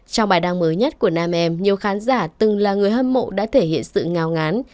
trong bài đăng mới nhất của nam em nhiều khán giả từng là người hâm mộ đã thể hiện sự ngào ngán